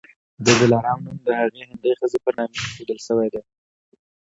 د دلارام نوم د هغي هندۍ ښځي پر نامي ایښودل سوی دی.